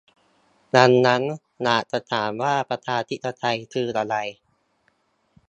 ดังนั้นหากจะถามว่าประชาธิปไตยคืออะไร